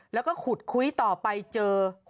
เราก็ขุดควัยต่อไปเจอ